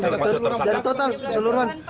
jadi total seluruhan